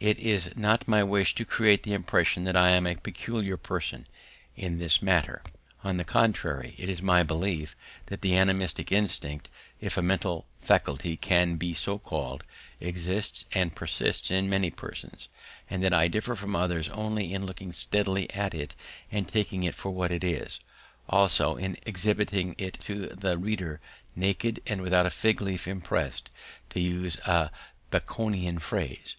It is not my wish to create the impression that I am a peculiar person in this matter; on the contrary, it is my belief that the animistic instinct, if a mental faculty can be so called, exists and persists in many persons, and that I differ from others only in looking steadily at it and taking it for what it is, also in exhibiting it to the reader naked and without a fig leaf expressed, to use a Baconian phrase.